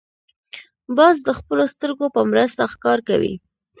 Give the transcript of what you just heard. باز د خپلو سترګو په مرسته ښکار کوي